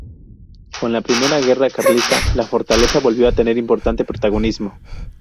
Con la Primera Guerra Carlista, la fortaleza volvió a tener importante protagonismo.